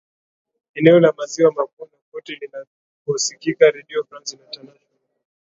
eneo la maziwa makuu na kwote inaposikika redio france international